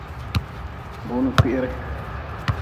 Runi kwihri.